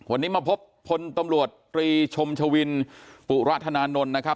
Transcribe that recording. วันนี้มาพบพตตรีชมชวินปราธนานนท์